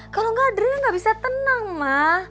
kalau enggak adriana enggak bisa tenang ma